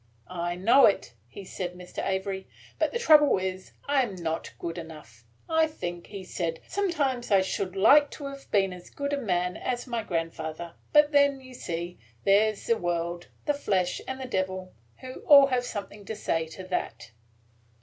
"'I know it,' he said, 'mr. Avery; but the trouble is, I am not good enough. I think,' he said, 'sometimes I should like to have been as good a man as my grandfather; but then, you see, there 's the world, the flesh, and the Devil, who all have something to say to that.'